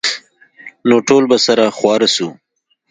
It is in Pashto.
نو ټول به سره خواره سو.